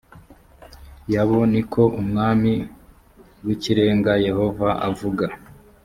yabo d ni ko umwami w ikirenga yehova avuga